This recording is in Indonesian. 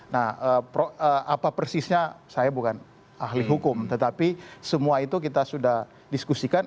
nah apa persisnya saya bukan ahli hukum tetapi semua itu kita sudah diskusikan